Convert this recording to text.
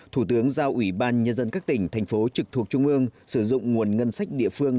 thủ tướng giao ủy ban nhân dân các tỉnh thành phố trực thuộc trung ương sử dụng nguồn ngân sách địa phương